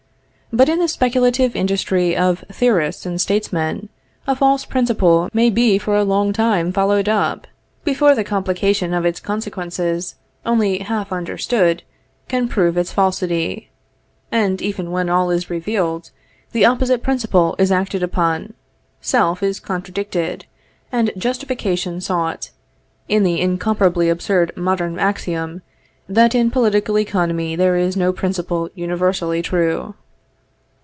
But in the speculative industry of theorists and statesmen, a false principle may be for a long time followed up, before the complication of its consequences, only half understood, can prove its falsity; and even when all is revealed, the opposite principle is acted upon, self is contradicted, and justification sought, in the incomparably absurd modern axiom, that in political economy there is no principle universally true.